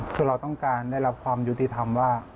คือเราต้องการได้รับความยุติธรรมว่า